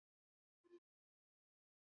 透过电力传导引发出惊人的拳脚力。